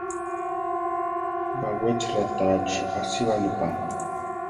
Baʼwéchi ratáachi asíbali pa.